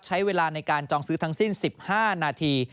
ใช้เวลาในการจองซื้อทั้งสิ้น๑๕นาที